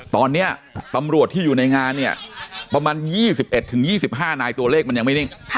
ตอนนี้ตำรวจที่อยู่ในงานเนี่ยประมาณ๒๑๒๕นายตัวเลขมันยังไม่นิ่ง